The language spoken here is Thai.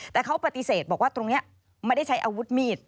แต่เขาปฏิเสธบอกว่าตรงนี้ไม่ได้ใช้อาวุธมีด